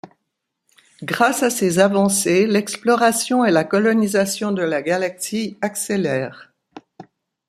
Grâce à ces avancé l'exploration et la colonisation de la Galaxie accélère.